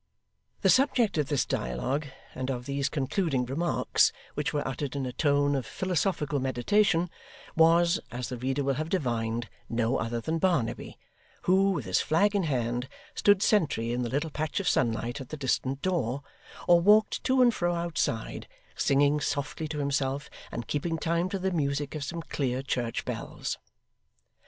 The subject of this dialogue and of these concluding remarks, which were uttered in a tone of philosophical meditation, was, as the reader will have divined, no other than Barnaby, who, with his flag in hand, stood sentry in the little patch of sunlight at the distant door, or walked to and fro outside, singing softly to himself; and keeping time to the music of some clear church bells.